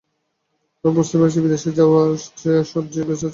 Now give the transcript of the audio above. তবে বুঝতে পেরেছি, বিদেশে যাওয়ার চেয়ে সবজি চাষ করা অনেক লাভজনক।